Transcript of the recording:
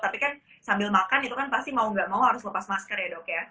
tapi kan sambil makan itu kan pasti mau nggak mau harus lepas masker ya dok ya